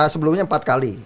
sebelumnya empat kali